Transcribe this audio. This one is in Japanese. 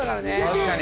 確かに！